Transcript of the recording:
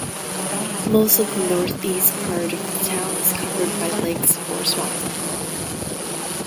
Most of the northeast part of the town is covered by lakes or swampland.